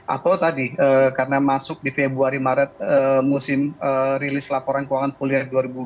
atau tadi karena masuk di februari maret musim rilis laporan keuangan full year dua ribu dua puluh